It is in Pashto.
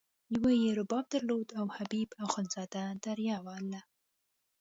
یوه یې رباب درلود او حبیب اخندزاده دریا وهله.